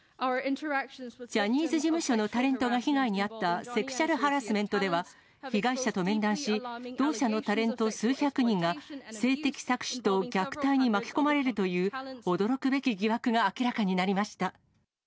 ジャニーズ事務所のタレントが被害に遭ったセクシュアルハラスメントでは、被害者と面談し、同社のタレント数百人が、性的搾取と虐待に巻き込まれるという驚くべき疑惑が明らかになり